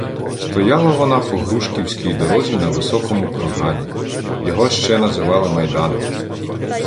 Стояла вона по грушківській дорозі на високому кургані, — його ще називали Майдани.